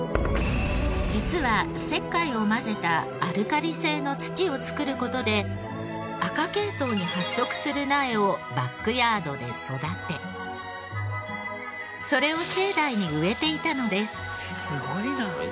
実は石灰を混ぜたアルカリ性の土を作る事で赤系統に発色する苗をバックヤードで育てそれを境内に植えていたのです。